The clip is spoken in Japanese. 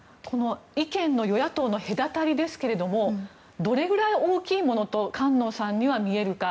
意見の与野党の隔たりですがどれくらい大きいものと菅野さんには見えるか。